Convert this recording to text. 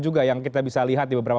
juga yang kita bisa lihat di beberapa